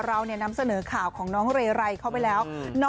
เรานำเสนอข่าวของน้องเรไรเข้าไปแล้ว